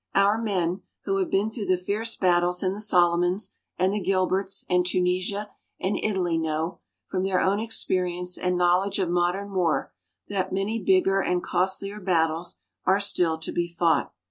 Our men, who have been through the fierce battles in the Solomons, and the Gilberts, and Tunisia and Italy know, from their own experience and knowledge of modern war, that many bigger and costlier battles are still to be fought.